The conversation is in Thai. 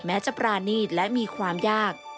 จะปรานีตและมีความยาก